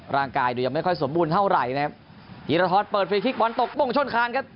ดูยังไม่ค่อยสมบูรณ์เท่าไหร่นะครับธีรทรเปิดฟรีคลิกบอลตกป้งชนคานครับ